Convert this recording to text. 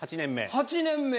８年目や。